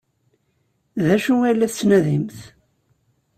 D acu ay la tettnadimt?